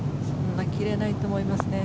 そんな切れないと思います。